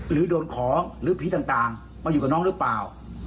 หรือโดนของหรือผีต่างมาอยู่กับน้องหรือเปล่า